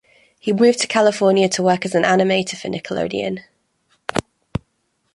He moved to California to work as an animator for Nickelodeon.